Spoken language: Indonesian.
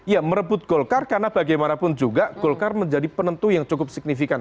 ya merebut golkar karena bagaimanapun juga golkar menjadi penentu yang cukup signifikan